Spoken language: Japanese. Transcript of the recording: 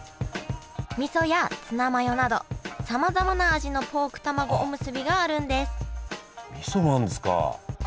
みそやツナマヨなどさまざまな味のポークたまごおむすびがあるんですみそもあるんですか。